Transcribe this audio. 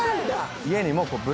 家にも。